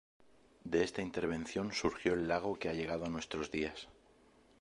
De esta intervención surgió el lago que ha llegado a nuestros días.